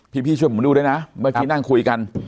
พี่ช่วยผมดูด้วยนะเมื่อกี้นั่งคุยกัน